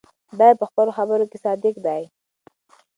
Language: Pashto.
دی په خپلو خبرو کې صادق دی.